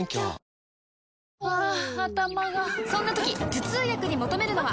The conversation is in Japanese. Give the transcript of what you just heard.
ハァ頭がそんな時頭痛薬に求めるのは？